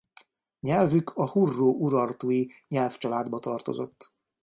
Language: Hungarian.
Nyelvük a hurro–urartui nyelvcsaládba tartozott.